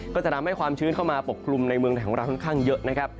ก็จะทำให้ความชื้นเข้ามาปกคลุมในเมืองหาวราชค่อนข้างเยอะ